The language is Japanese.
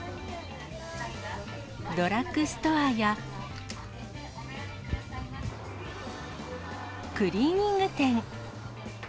ドラッグストアや、クリーニング店。